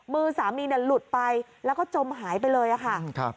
มือสามีเนี่ยหลุดไปแล้วก็จมหายไปเลยค่ะ